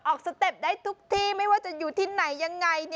สเต็ปได้ทุกที่ไม่ว่าจะอยู่ที่ไหนยังไง